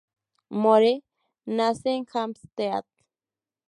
Moore nace en Hampstead.